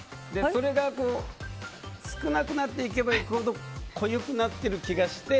それが少なくなっていけばいくほど濃ゆくなってる気がして。